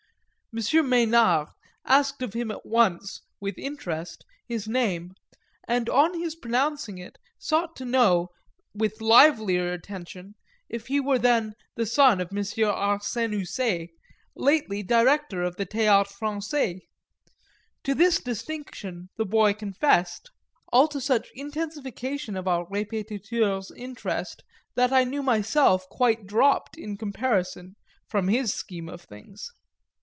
M. Mesnard asked of him at once, with interest, his name, and on his pronouncing it sought to know, with livelier attention, if he were then the son of M. Arsène Houssaye, lately director of the Théâtre Français. To this distinction the boy confessed all to such intensification of our répétiteur's interest that I knew myself quite dropped, in comparison, from his scheme of things.